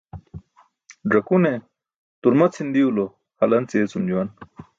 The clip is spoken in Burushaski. Ẓakune turma cʰindiwlo halanc yeecum juwan.